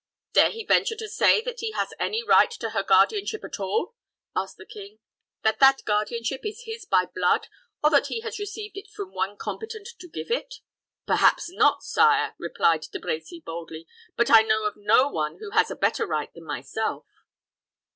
"Dare he venture to say that he has any right to her guardianship at all?" asked the king; "that that guardianship is his by blood, or that he has received it from one competent to give it?" "Perhaps not, sire," replied De Brecy, boldly. "But I know of no one who has a better right than myself."